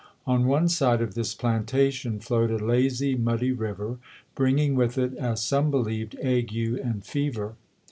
On one side of this plantation flowed a lazy, muddy river, bringing with it, as some believed, ague and fever.